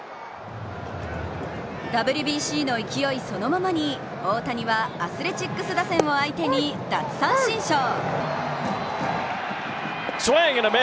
ＷＢＣの勢いそのままに、大谷はアスレチックス打線を相手に奪三振ショー。